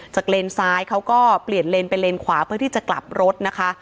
เลนซ้ายเขาก็เปลี่ยนเลนไปเลนขวาเพื่อที่จะกลับรถนะคะ